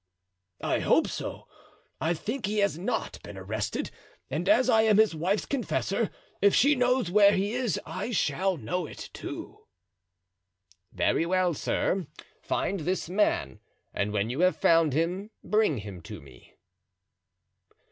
"I hope so. I think he has not been arrested, and as I am his wife's confessor, if she knows where he is I shall know it too." "Very well, sir, find this man, and when you have found him bring him to me."